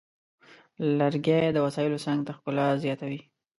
لرګی د وسایلو څنګ ته ښکلا زیاتوي.